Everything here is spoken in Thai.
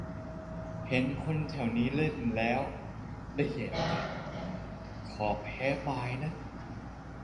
เห็นคนแถวนี้เล่น แล้วละเหี่ยใจ ขอแพ้บาย